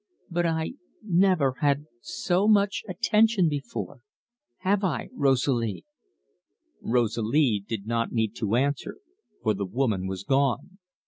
"But I never had so much attention before; have I Rosalie?" Rosalie did not need to answer, for the woman was gone.